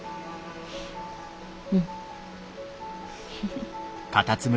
うん。